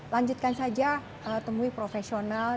lanjutkan saja temui profesional